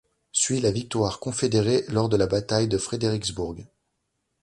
Suit la victoire confédérée lors de la bataille de Fredericksburg.